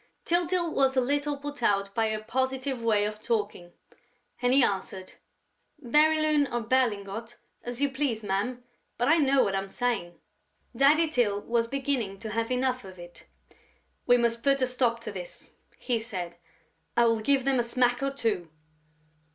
Tyltyl was a little put out by her positive way of talking; and he answered: "Bérylune or Berlingot, as you please, ma'am, but I know what I'm saying...." Daddy Tyl was beginning to have enough of it: "We must put a stop to this," he said. "I will give them a smack or two."